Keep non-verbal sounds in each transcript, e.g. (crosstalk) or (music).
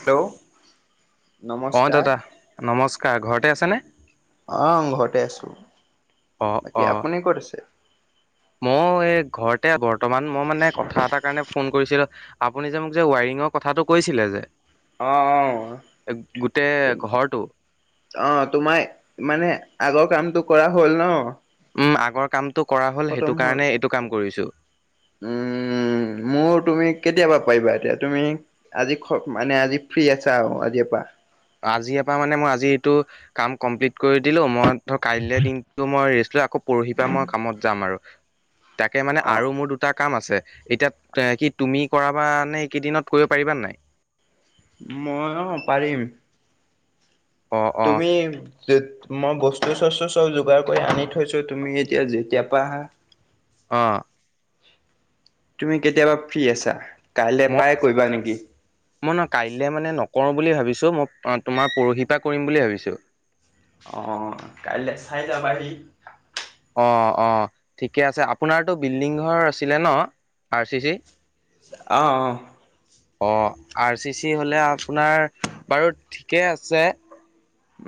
Hello. অ', নমস্কাৰ। দাদা নমস্কাৰ ঘৰতে আছেনে। আহ ঘৰতে আছো অ বাকী অ আপুনি ক'ত আছে। ময়ো এই ঘৰতে বৰ্তমান মই মানে কথা এটাৰ কাৰণে ফোন কৰিছিলো। আপুনি যে মোক যে ৱায়ৰিঙৰ কথাটো কৈছিলে যে অ' এ অ' গোটেই ঘৰটো অ', তোমাৰ মানে আগৰ কামটো কৰা হ'ল ন। উম আগৰ কামটো কৰা হ'ল সেইটো কাৰণে এইটো কাম কৰিছো উম, মোৰ তুমি কেতিয়াবা পাৰিবা এতিয়া তুমি আজি খ মানে আজি ফ্ৰী আছা আৰু আজিৰ পৰা। আজি এ পৰা মানে মই আজি এইটো কাম কমপ্লিট কৰি দিলোঁ মই ধ কাইলৈ দিনটো মই ৰেষ্ট ত আকৌ পৰহি পাই মই কামত যাম আৰু। তাকে মানে অ' আৰু মোৰ দুটা কাম আছে এতিয়া এ কি তুমি কৰাব নে এইকেইদিনত কৰিব পাৰিবা নাই। মই অ', পাৰিম। অ অ তুমি মই বস্তু চস্তু চব যোগাৰ কৰি আনি থৈছো তুমি এতিয়া যেতিয়াৰ পৰা আহা। অ',। তুমি কেতিয়াবা ফ্ৰী আছা কাইলৈ মই পাই কৰিবা নেকি। মই ন কাইলে মানে নকৰো বুলি ভাবিছো মই তোমাৰ পৰহি পৰা কৰিম বুলি ভাবিছোঁ। আহ কাইলৈ চাই যাবা আহি। অ', অ', ঠিকে আছে আপোনাৰতো বিল্ডিং ঘৰ আছিলে ন আৰ চি, চি অ', অ'',। অ', আৰ চি, চি হলে আপোনাৰ বাৰু ঠিকেই আছে।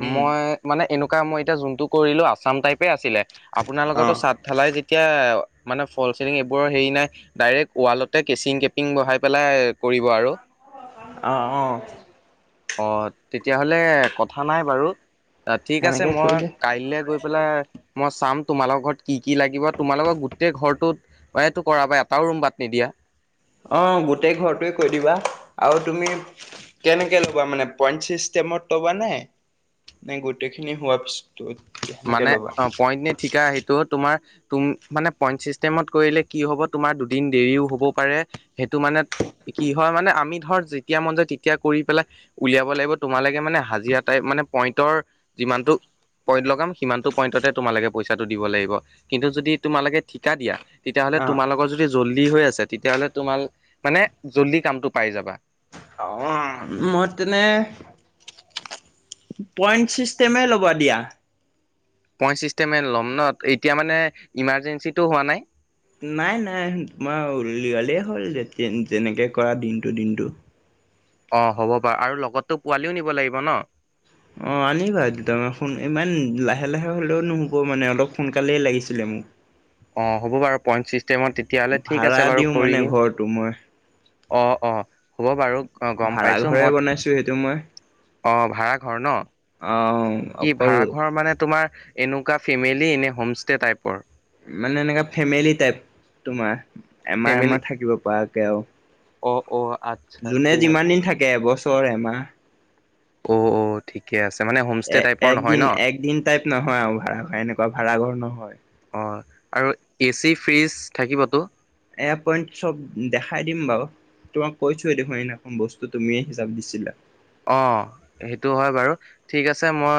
উম, মই মানে এনেকুৱা মই এতিয়া যোনটো কৰিলো আছাম টাইপে আছিলে। আপোনাৰ লগতো অ', চাদঢালাই যেতিয়া মানে ফল চিলিং এইবোৰৰ হেৰি নাই ডাইৰেক্ট ৱালতে কেচিং কেপিং বহাই পেলাই কৰিব আৰু। আহ, অ',। অ, ' তেতিয়াহলে কথা নাই বাৰু। ঠিক আছে সেনেকে মই কৰিলে কাইলৈ গৈ পেলাই মই চাম। তোমালোকৰ ঘৰত কি কি লাগিব তোমালোকৰ গোটেই ঘৰটোত এইটো কৰাব এটাও ৰুম বাত নিদিয়া। অ', গোটেই ঘৰটোৱে কৈ দিবা আৰু তুমি কেনেকে লবা মানে পইণ্ট চি তবা নাই নে গোটেই খিনি হোৱা পিছত সেনেকে মানে ল'বা অ', পইন্ট নি ঠিকা সেইটো তোমাৰ তুম মানে পইণ্ট ছিষ্টেমত কৰিলে কি হ'ব তোমাৰ দুদিন দেৰিও হ'ব পাৰে সেইটো মানে কি হয় মানে আমি ধৰ যেতিয়া মন যায় তেতিয়া কৰি পেলাই উলিয়াব লাগিব তোমালোকে মানে হাজিৰা টাইপ মানে পইণ্টৰ যিমানতটো পইন্ট লগাম সিমানতটো পইণ্টতে তোমালোকে পইচাটো দিব লাগিব কিন্তু যদি তোমালোকে ঠিকা দিয়া তেতিয়াহ'লে অ', তোমাৰ লগত যদি জল্দি হৈ আছে তেতিয়াহ'লে তোমাৰ মানে জল্দি কামটো পাই যাবা। অ', মই তেনে পইন্ট চিষ্টেমে ল'ব দিয়া। পইণ্ট চিষ্টেম ল'ম ন এতিয়া মানে ইমাৰ্জেঞ্চিটো হোৱা নাই। নাই, নাই তোমাৰ উলওালেই হ'ল যে তেনেকে কৰা দিনটো দিনটো অ', হ'ব বাৰু আৰু লগতো পোৱালিও নিব লাগিব ন। অ', আনিবা দুটামান ইমান লাহে লাহে হলেও নুহব মানে অলপ সোনকালেই লাগিছিলে মো উম। অ', হ'ব বাৰু পইণ্ট চিষ্টেমত তেতিয়াহ'লে ঠিক ভাড়া আছে বাৰু দিওঁ কৰি মানে দিম। ঘৰটো মই অ', অ', হ'ব বাৰু গম পাইছো ম ভাড়াঘৰে বনাইছো সেইটো মই অ', ভাড়া ঘৰ ন? আহ কি অকল ভাড়া ঘৰ মানে তোমাৰ এনেকুৱা ফেমিলি, নে হোমষ্টে টাইপ? মানে এনেকা ফেমিলি টাইপ তোমাৰ, এমাহ ফেমিলি এমাহ থাকিব পৰাকে আৰু। অ', অ', আ যোনে যিমান দিন থাকে এবছৰ, এমাহ। অ', অ', ঠিকে আছে। মানে হোমষ্টে এ টাইপৰ নহয় একদিন, ন? একদিন টাইপ নহয় আৰু ভাড়াঘৰ, এনেকুৱা ভাড়াঘৰ নহয়। অ', আৰু এ চি, ফ্ৰিজ থাকিবতো? এয়াপইণ্ট চব দেখাই দিম বাউ। তোমাক কৈছোয়েই দেখোন এদিনাখন, বস্তু তুমিয়ে হিচাপ দিছিলা। অ', হেইটো হয় বাৰু, ঠিক আছে মই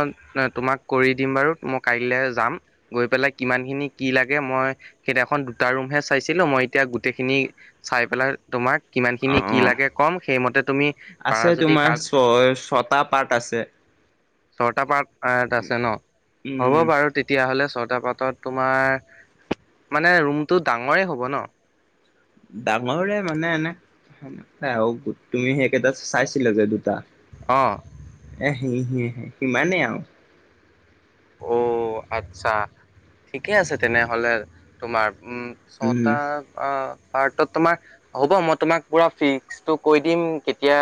তোমাক কৰি দিম বাৰু মই কাইলে যাম, গৈ পেলাই কিমান খিনি কি লাগে, মই সেইদিখন দুটা ৰুমে চাইছিলোঁ, মই এতিয়া গোটেইখি নি চাই পেলাই তোমাক কিমান অ খিনি, কি লাগে কম, সেইমতে তুমি পাৰা আছে যদি তোমাৰ কাক ছয়, ছটা পাৰ্ট আছে। ছটা পাৰ্ট এত আছে ন, হ'ব উম বাৰু তেতিয়াহ'লে ছট তা পাতত তোমাৰ, মানে ৰুমটো ডাঙৰে হ'ব ন? ডাঙৰে মানে এনেই, (unintelligible) তুমি সেইকেইটা চাইছিলা যে, দু তা, অ', এ হি-হি-হি সিমানেই আউ অ', আচ্ছা ঠিকে আছে তেনেহলে তোমাৰ উম, উম ছটা আ পাৰ্টত তোমাৰ, হ'ব মই তোমাক পুৰা ফিস্কটো কৈ দিম কেতিয়া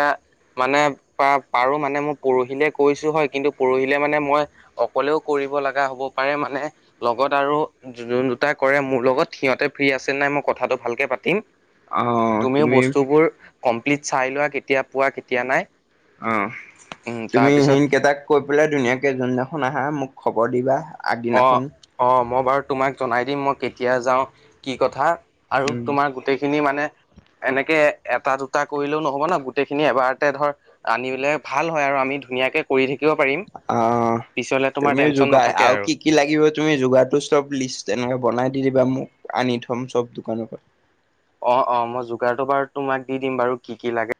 মানে পা-পাৰো মানে মই পৰহিলে কৈছো হয়, কিন্তু পৰহিলে মানে মই অ কলেও কৰিব লগা হ'ব পাৰে, মানে লগত আৰু যোন দুটা কৰে মোৰ লগত সিহঁতে ফ্ৰী আ আছে নে নাই মই কথাটো ভালকে পাতিম, অ তুমিও তুমি বস্তুবোৰ কমপ্লিট চাই লোৱা কেতিয়া পোৱা, কেতিয়া নাই। অ', উম তুমি তাৰপিছত হিকেইটাক কৈ পেলাই ধুনীয়াকে যোনদিখন আহা মোক খবৰ দিবা। আগদিনাখন অ', অ', মই বাৰু তোমাক জনাই দিম মই কেতিয়া যাওঁ, কি কথা। আৰু উম তোমাৰ গোটেইখিনি মানে এনেকে এটা, দুটা কৰিলেও নহব না, গোটেইখিনি এবাৰতে ধৰ আনিলে ভাল হয় আৰু আমি ধুই নীয়াকে কৰি থাকিব পাৰিম, অ পিছলে তোমাৰ তুমি টেনচন যোগাৰ নাথাকে আৰু। কি কি লাগিব তুমি যোগাৰটোৰ চব লিষ্ট এনেক বনাই দি দিবা মো উক, আনি থ'ম চব দোকানৰ পৰা। অ', অ', মই যোগাৰটো বাৰু তোমাক দি দিম বাৰু কি কি লাগে।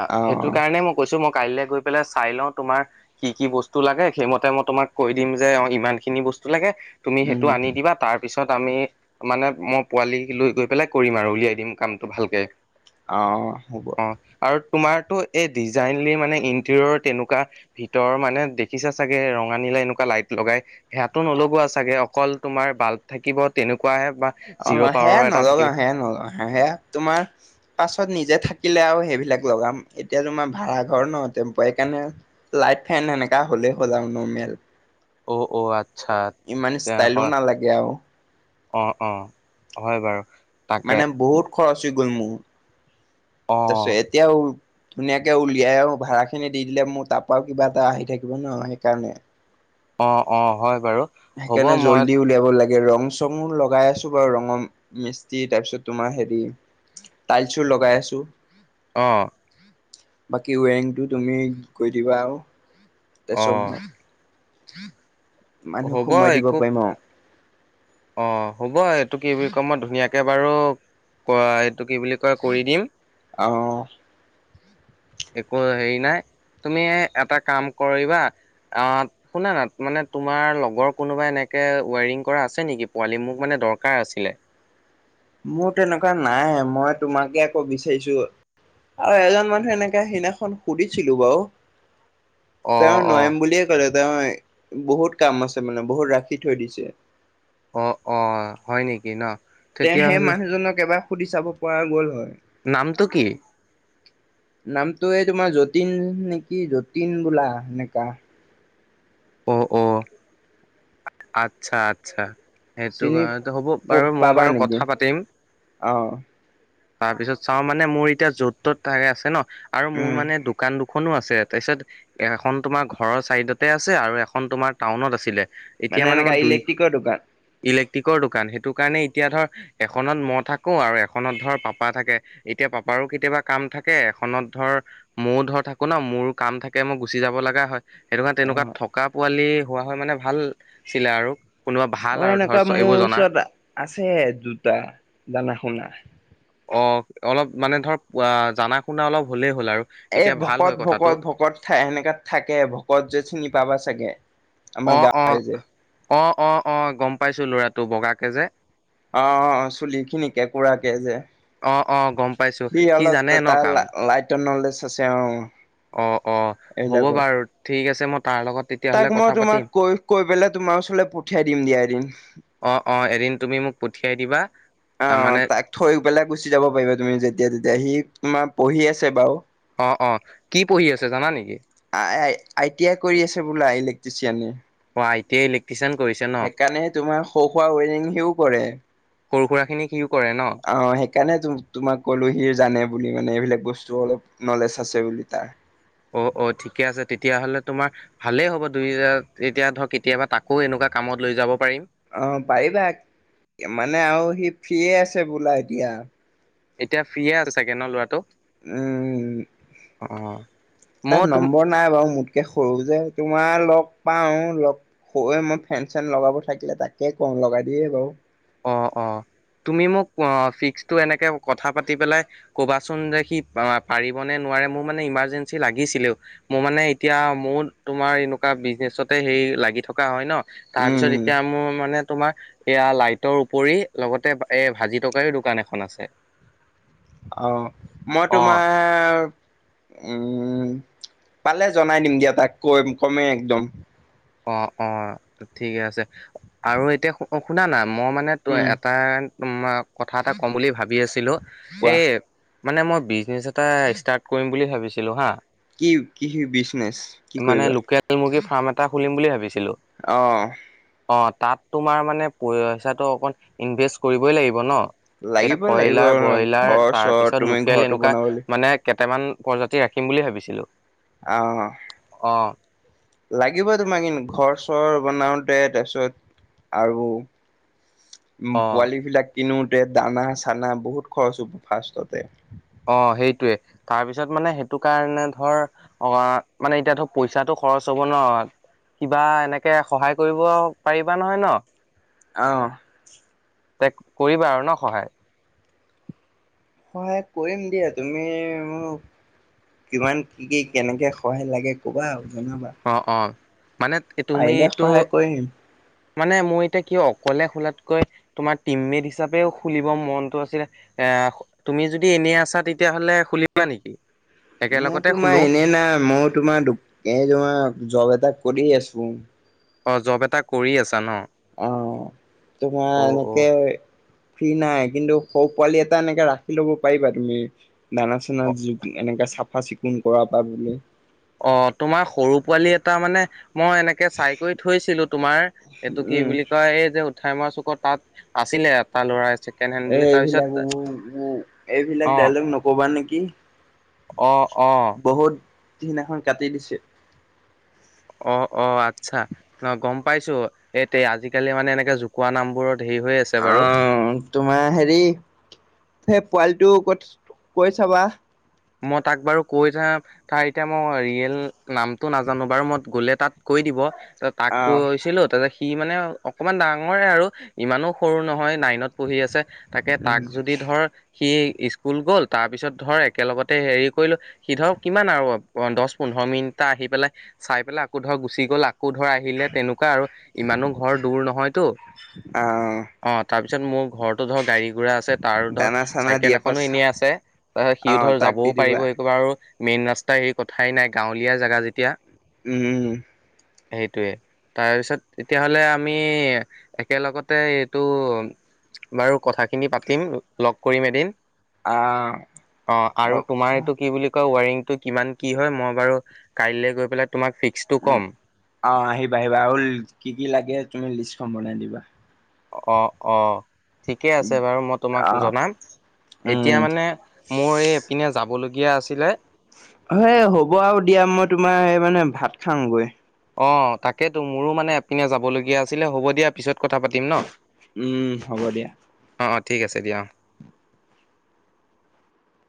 আ, অ সেইটো কাৰণে মই কৈছো মই কাইলৈ গৈ পেলাই চাই লওঁ তোমাৰ কি কি বস্তু লাগে, সেইমতে মই তোমাক কৈ দিম যে অ' ইমান খিনি বস্তু লাগে তুমি উম সেইটো আনি দিবা, তাৰ পিছত আমি মানে মই পোৱালি লৈ গৈ পেলাই কৰিম আৰু উলিয়াই দিম কামটো ভালকে। অ', হ'ব। তোমাৰতটো এই ডিজাইনলি মানে ইণ্টেৰিয়ৰ তেনেকুৱা ভিতৰৰ মানে, দেখিছা চাগে ৰঙা, নী এনেকুৱা লাইট লগাই, হেয়াতো নলগোৱা চাগে, অকল তোমাৰ বাল্ব থাকিব তেনেকুৱাহে বা জিৰ' অ', হেয়া পাৱাৰৰ এটা নাগাও, থাকিব হেয়া নলগা হা হেয়া তোমাৰ পাছত নিজে থাকিলে আৰু সেইবিলাক লগাম, এতিয়া তোমাৰ ভাড়াঘৰ ন টেম্পয়ায়ি কাণে, লাইট ফেন এনেকা হ'লেই হ'ল আৰু নমেল। অ', অ', আত ইমান ষ্টাইলো নালাগে আউ। অ', অ', হয় বাৰু। তাকে মানে বহুত খৰচ হৈ গল মো, তাছে অ' এতিয়াও ধুনীয়াকে উলিয়াই আউ ভাড়া খিনি দি দিলে মো তাপাও কিবা এটা আহি থাকিব ন, সেইকাৰণে। অ - অ হয়। বাৰু হ'ব সেইকাৰণে মই জল্দি উলিয়াব লাগে। ৰং চঙো লগাই আছো বাৰু ৰঙৰ মিসি তাৰপিছত তোমাৰ হেৰি টাইলছো লগাই আছো। অ', বাকী ৱেৰিংটো তুমি গৈ দিবা আৰু মই হা (inaudible) মানুহক সোমাই দিব পাৰিম অ, অ, হ'ব এইটো কি বুলি ক মই ধুনীয়াকে বাৰু ক এইটো কি বুলি কয় কৰি দিম। আহ, একো হেৰি নাই। তুমি এটা কাম কৰিবা অ শুনানা মানে তোমাৰ লগৰ কোনোবাই এনে যে ৱেৰিং কৰা আছে নেকি পোৱালি মোক মানে দৰকাৰ আছিলে। মোৰ তেনেকুৱা নাই মই তোমাকে আকৌ বিচাৰিছো। আৰু এজন মানুহে এনেকে সিনাখন সুধিছিলো বাৰু অ ত অ নয়ম বুলিলিয়ে কলে। বহুত কাম আছে মানে বহুত ৰাখি থৈ দিছে। অ - অ হয় নেকি ন। তে সেই তেতিয়াহ'লে মানুহজনক এবাৰ সুধি চাব পৰা গ'ল হয়। নামটো কি নামটো এই তোমাৰ যতীন নেকি যতীন বোলা এনেকা। অ - অ, আচ্ছা - আচ্ছা। সেইটো চিনি কাৰণেতো হ'ব বাৰু মই পাবা বাৰু নেকি? কথা পাতিম। অ', তাৰপিছত চাও মানে মোৰ এতিয়া য'ত ত'ত থাকে আছে ন আৰু মোৰ উম, মানে দোকান দান খনো আছে তাৰপিছত এখন তোমাৰ ঘৰৰ চাইডতে আছে আৰু এখন তোমাৰ টাউনত আছিলে। এতিয়া মানে এনেকা মই দুই ইলেক্ট্ৰিকৰ দোকান ইলেক ৰ দোকান সেইটো কাৰণে এতিয়া ধৰ এখনত মই থাকো আৰু এখনত ধৰ পাপা থাকে। এতিয়া পাপা আৰু কেতিয়াবা কাম থাকে এখনত ধৰ ময়ও ধৰ থাকো ন মোৰো কাম থাকে মই গুচি যাব লগা হয়। সেইটো কাৰণে তেনেকুৱা অ'। থকা পোৱালি হোৱা হয় মানে ভাল আছিলে আৰু। কোনোবা ভাল অ, আৰু ধৰ এনেকুৱা মোৰ এইবোৰ জনা ওচৰত আছে জোতা দানা শুনা। অ, অলপ মানে ধৰ অ জানা শুনা অলপ হ'লেই হ'ল আৰু এ তেতিয়া ভাল হয় ভকত - কথাটো ভকত - ভকত থ সেনেকাত থাকে ভকত যে চিনি পাবা চাগে। আমাৰ অ - অ গাঁৱৰে যে - অ - অ - অ গম পাইছো লৰাটো বগাকে যে। অ - অ চুলি খিনিকে কুৰাকে যে। অ অ গম পাইছো সি সি জানে অলপ ন তাৰ কাম লাইটৰ নলেজ আছে অ, অ - অ হ'ব এইবিলাকৰ। বাৰু ঠিক আছে মই তাৰ লগত তেতিয়াহ'লে তাক মই কথা তোমাক পাতিম। কৈ - কৈ পেলাই তোমাৰ ওচৰলৈ পঠিয়াই দিম দিয়া এ দিন। অ - অ এদিন তুমি মোক পঠিয়াই দিবা। অ, মানে তাক থৈ পেলাই গুচি যাব পাৰিবা তুমি যেতিয়া তেতিয়া সি তোমাৰ পঢ়ি আছে বাৰু। অ', অ', কি পঢ়ি আছে জানা নেকি? আ - আই টি আই কৰি আছে বোলে। টিচিয়ী। অ', আই টি আই ইলেক্ট্ৰিচিয়ান কৰিছে ন? সেইকাৰণে তোমাৰ সৌ খোৱা উইনিংহিও কৰে। সৰু সুৰাখিনি সিও কৰে ন? অ, সেইকাৰণে তোমাক কলোহিৰ জানে বুলি মানে এইবিলাক। বস্তু অলপ নলেজ আছে বুলি তাৰ। অ - অ ঠিকে আছে তেতিয়াহ'লে তোমাৰ ভালেই হব দুই এতিয়া ধৰক কেতিয়াবা তাকো এনেকুৱা কামত লৈ যাব। পাৰিম। অ, পাৰিবা মানে আৰু সি ফ্ৰে আছে বোলা এতিয়া। এতিয়া ফ্ৰিয়ে আৰু চাগে ন ল'ৰাটো? উম, অ', তাত মই তোমাৰ নম্বৰ নাই বাৰু মোতকে সৰু যে তোমাৰ লগ লগ পাওঁ লগ হৈ মই ফেন চেন লগাব থাকিলে তাকে কওঁ লগাই দিয়ে বাৰু অ', অ'। তুমি মোক অ', ফিক্সটো এনেকে কথা পাতি পেলাই কবাচোন যে সি পাৰিবনে। নোৱাৰে মুৰ মানে ইমাৰ্জেঞ্চি লাগিছিলেই মুৰ মানে এতিয়া মোৰ তোমাৰ এনেকুৱা বিচনেছ লগি থকা হয় ন' উম তাৰপিছত এতিয়া মুৰ মানে তোমাৰ এয়া ৰু উপৰি লগতে এ ভাজি টকাৰো দোকান এখন আছে। অ', মই অ', তোমাৰ উম। পালে জনাই দিম দিয়া তাক কৈ কমেই একদম। অ', অ', ঠিকে আছে আৰু এতিয়া শুনানা। মই মানে উম এটা কথা এটা কম বুলি ভাবি আছিলো কোৱা এই মানে মই বিজনেছ এটা ষ্টাৰ্ট কৰিম বুলি ভাবিছিলো হা। কি কি বিজনেচ, কি মানে কৰিবা? লোকেল মুৰ্গী ফাৰ্ম এটা খুলিম বুলি ভাবিছে অ'। অ', তাত তোমাৰ মানে পইচাটো অকণ ইনভেষ্ট কৰিবই লাগিব ন'? এতিয়া লাগিব লাগিব কয়লাৰ ব্ৰইলাৰ ঘৰ তাৰ চৰ পিছত তুমি লোকেল ঘৰটো এনেকুৱা বনাবলৈ মানে কেইটামান প্ৰজাতি ৰাখিম বুলি ভাবিছিলো। অ', লাগিব তোমাক কিন্ত ঘৰ চৰ তাৰপিছত আৰু উম, অ' পোৱালী বিলাক কিনোতে দানা চানা বহুত খৰচ প ফাৰ্ষ্টতে। অ', সেইটোৱে তাৰপিছত মানে সেইটো কাৰণে ধৰ অ মানে এতিয়া ধৰ পইচাটো খৰচ হ'ব ন' কিবা এনেকে সহায় কৰিব পাৰিবা নহয় ন'? অ'। তে কৰিবা আৰু ন' সহায়? সহায় কৰিম দিয়া তুমি কিমান কি কি কেনেকে সহায় লাগে ক'বা। জনাবা অ', অ', মানে পাৰিলে তুমিটো সহায় কৰিম মানে মোৰ এতিয়া কি অকলে খোলাতকৈ তোমাৰ টিম মেট হিচাপেও খুলিব মনটো আছিলে। এ তুমি যদি এনেই আছা তেতিয়াহ'লে খুলিবা নেকি? মই একেলগতে তোমাৰ খোলো এনে নাই মই তোমাৰো তোমাৰ জব এটা কৰি আছোঁ। অ', জব এটা কৰি আছা ন'। অ তোমাৰ অ অ এনেকে ফ্ৰী নাই কিন্তু সৰু পোৱালি এটা এনেকে ৰাখি ল'ব পাৰিবা তুমি? দানা চানা অ এনেকাে চাফা চিকুণ কৰা পৰা বুলি অ', তোমাৰ সৰু পোৱালি এটা মানে মই এনেকে চাই কৰি থৈছিলো তোমাৰ এইটো কি উম বুলি কয় এই যে উঠাই মই চ তাত আছিলে এটা ল'ৰা ছেকেণ্ড হেণ্ড এ বুলি তাৰপিছত এইবিলাক উ এইবিলাক অ ডাইলগ নক'বা নেকি? অ', অ'। সুনাসুন কাটি দিছে। অ', অ' আচ্ছা ন' গম পাইছো এ আজিকালি মানে এনেকে জকুৱোৱা নামবোৰত হেৰি হৈ আছে বাৰু অ', তোমাৰ হেৰি পোৱালিটো ক'ত কৈ চাবা। মই তাক বাৰু কৈ থা তাৰ এতিয়া মই ৰিয়েল নামটো নাজানো বাৰু মই গ'লে তাত কৈ দিব ত তাক আহ কৈছিলো তাতে সি মানে অকমান ডাঙৰে আৰু ইমানো সৰু নহয় নাই দিনত পঢ়ি আছে তাকে উম তাক যদি ধৰ সি ইস্কুল গ'ল তাৰপিছত ধৰ একেলগতে হেৰি কৰিলোঁ সি ধৰক কিমান আৰু দহ পোন্ধৰ মিনিটটা আহি পেলাই চাই পেলাই আকৌ ধৰক গুচি গ'লাক আকৌ ধৰ আহিলে তেনেকুৱা আৰু ইমানো ঘৰ দূৰ নহয়তো আহ অ', তাৰপ তাৰিছত মোৰ ঘৰতো ধৰ গাড়ী গুৰা আছে তাৰ ধৰ দানা চানা চাইকেল দিয়া এখনো পাছত এনেই আছে সি আহ ধৰ তাক যাবও দি দিবা পাৰিব একেবাৰ মেইন ৰাস্তা হেৰি কথাই নাই গাঁৱলীয়া জেগা যেতিয়া উম সেইটোয়ে তাৰপিছত এতিয়াহলে আমি একেলগতে এইটো বাৰু কথাখিনি পাতিম লগ কৰিম এদিন আঁ অ' আৰু তোমাৰ এইটো কি বুলি কয় ৱাৰিংটো কিমান কি হয় মই বাৰু কাই গৈ পেলাই তোমাক ফিক্সটো উম ক'ম আৰু আহিবা আহিবা আৰু কি কি লাগে তুমি লিষ্টখন বনাই দিবা অ', অ', ঠিকে আছে বাৰু মই তোমাক অ জনাম এতিয়া উম মানে মোৰ এইপিনে যাবলৈ দিয়া আছিলে মানে হ'ব আৰু দিয়া মই তোমাৰ এই মানে ভাত খাামগৈ অ' তাকেতো মোৰো মানে এপিনে যাবলগীয়া আছিলে হ'ব দিয়া পিছত কথা পাতিম ন উম হ'ব দিয়া অ অ ঠিক আছে দিয়া অ'